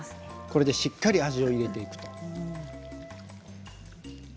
これでしっかり味を入れていくと。